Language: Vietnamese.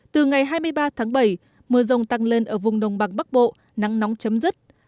từ ngày hai mươi ba tháng bảy mưa rông tăng lên ở vùng đồng bằng bắc bộ nắng nóng chấm dứt